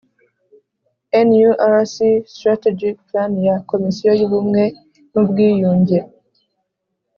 Nurc strategic plan ya komisiyo y ubumwe n ubwiyunge